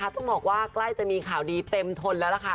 ต้องบอกว่าใกล้จะมีข่าวดีเต็มทนแล้วล่ะค่ะ